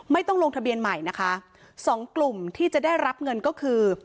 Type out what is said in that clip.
ไม่ต้องลงทะเบียนใหม่นะคะสองกลุ่มที่จะได้รับเงินก็คือ